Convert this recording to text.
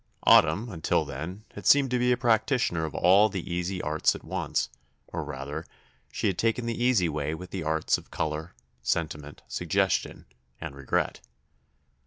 Autumn, until then, had seemed to be a practitioner of all the easy arts at once, or rather, she had taken the easy way with the arts of colour, sentiment, suggestion, and regret.